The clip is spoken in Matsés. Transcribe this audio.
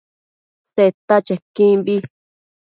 Seta chequimbi